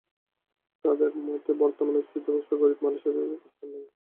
তাঁদের মতে বর্তমান স্থিতাবস্থায় গরিব মানুষের স্থান নেই।